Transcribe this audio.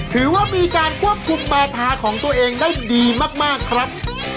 ถือว่ามีการควบคุมมาทาของตัวเองได้ดีมากครับ